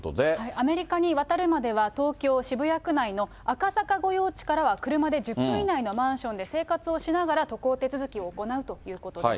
アメリカに渡るまでは、東京・渋谷区内の赤坂御用地からは車で１０分以内のマンションで生活をしながら、渡航手続きを行うということです。